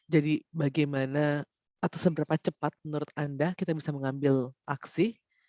jadi bagaimana atau seberapa cepat menurut anda kita bisa mengambil aksi